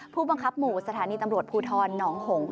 ผู้บังคับหมู่สถานีตำรวจภูทรหนองหง